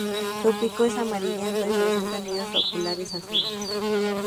Su pico es amarillento y presenta anillos oculares azules.